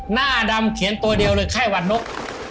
หน้าดำเขียนตัวเดียวเลยไข้หวัดนก